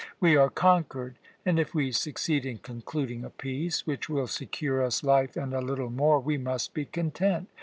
We are conquered, and if we succeed in concluding a peace, which will secure us life and a little more, we must be content.